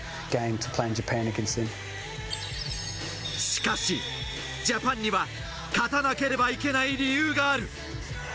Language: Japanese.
しかしジャパンには、勝たなければいけない理由がある。